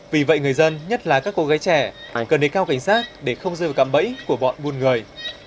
vì vậy người dân nhất là các cô gái trẻ cần đề cao cảnh sát để không rơi vào cạm bẫy của bọn buôn người